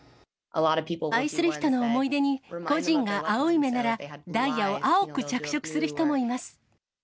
愛する人の思い出に、故人が青い目なら、ダイヤを青く着色する人もいます。